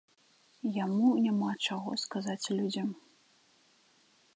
Яму няма чаго сказаць людзям.